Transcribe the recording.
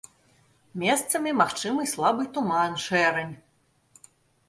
Месцамі магчымы слабы туман, шэрань.